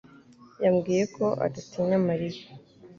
yambwiye ko adatinya Mariya.